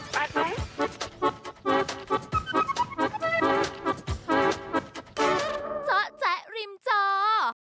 เจ้าแจ๊กริมเจ้า